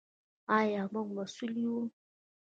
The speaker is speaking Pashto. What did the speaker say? آیا موږ مسوول یو؟